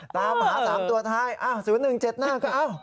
ตามหา๓ตัวท้าย๐๑๗หน้าก็เอ้า